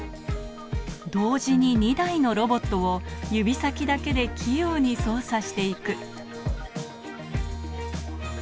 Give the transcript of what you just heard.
同時に２台のロボットを、指先だけで器用に操作していく。